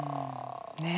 ねえ。